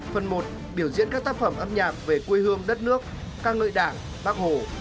phần một biểu diễn các tác phẩm âm nhạc về quê hương đất nước các ngợi đảng bắc hồ